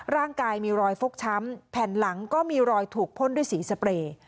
ร่างกายมีรอยฟกช้ำแผ่นหลังก็มีรอยถูกพ่นด้วยสีสเปรย์